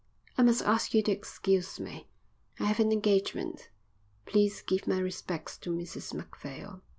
"I must ask you to excuse me. I have an engagement. Please give my respects to Mrs Macphail."